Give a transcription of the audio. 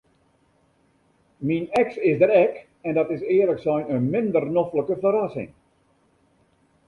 Myn eks is der ek en dat is earlik sein in minder noflike ferrassing.